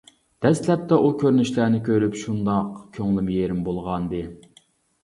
دەسلەپتە ئۇ كۆرۈنۈشلەرنى كۆرۈپ شۇنداق كۆڭلۈم يېرىم بولغانىدى.